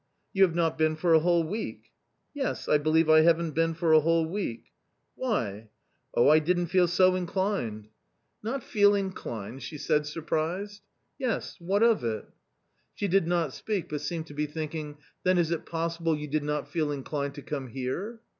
" You have not been for a whole week ?"" Yes, I believe I haven't been for a whole week ?"" Why ?"" Oh, I didn't feel inclined." A COMMON STORY 21s " Not feel inclined !" she said, surprised. " Yes, what of it ?" She did not speak, but seemed to be thinking ;" then is it possible you did not feel inclined to come here